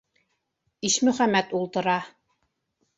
Ишмөхәмәт ултыра.